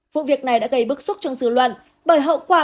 vụ việc này đã gây bức xúc trong dư luận bởi hậu quả